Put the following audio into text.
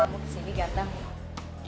tante kamu kesini ganteng ya